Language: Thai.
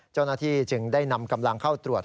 เจ้าหน้าที่จึงได้นำกำลังเข้าตรวจ